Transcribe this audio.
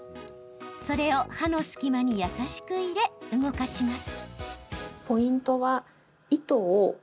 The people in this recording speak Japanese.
それを歯の隙間に優しく入れ動かします。